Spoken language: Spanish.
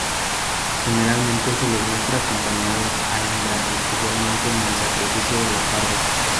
Generalmente se los muestra acompañando a Indra, especialmente en el sacrificio de la tarde.